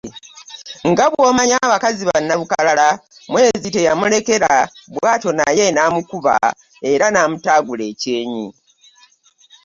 Nga bw’omanyi abakazi ba nnalukalala, Mwezi teyamulekera bw’atyo naye n’amukuba era n’amutaagula ekyenyi.